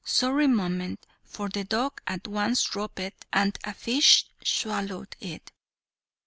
Sorry moment, for the dog at once dropped it, and a fish swallowed it.